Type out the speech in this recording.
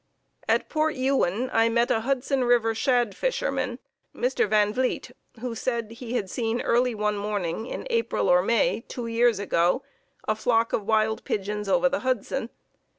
At Port Ewen, I met a Hudson River shad fisherman, Mr. Van Vliet, who said he had seen early one morning in April or May, two years ago, a flock of wild pigeons over the Hudson.